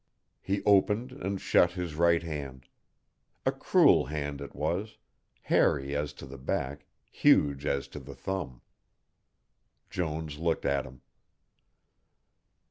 He opened and shut his right hand. A cruel hand it was, hairy as to the back, huge as to the thumb. Jones looked at him.